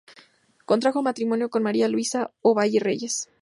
Contrajo matrimonio con María Luisa Ovalle Reyes.